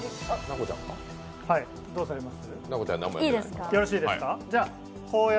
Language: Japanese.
どうされます？